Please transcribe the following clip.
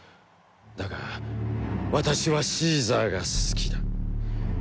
だが私はシーザーが好きだ」。